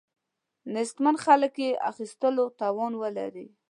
نیستمن خلک یې اخیستلو توان ولري.